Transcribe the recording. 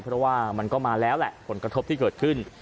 เพราะว่ามันก็มาแล้วแหละผลกระทบที่เกิดขึ้น